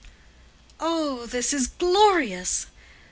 "Oh, this is glorious!"